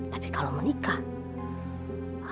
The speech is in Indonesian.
tapi kalau menikah